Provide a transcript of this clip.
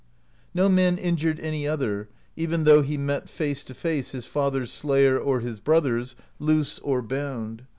No man injured any other, even though he met face to face his father's slayer or his brother's, loose or bound.